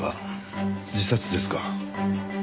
自殺ですか。